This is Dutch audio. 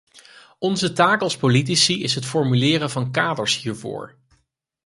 Onze taak als politici is het formuleren van kaders hiervoor.